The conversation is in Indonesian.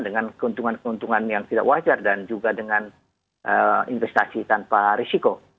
dengan keuntungan keuntungan yang tidak wajar dan juga dengan investasi tanpa risiko